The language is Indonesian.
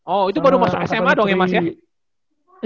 oh itu baru masuk sma dong ya mas ya